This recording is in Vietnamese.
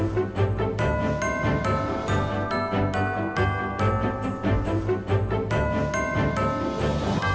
hẹn gặp lại